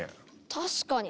確かに。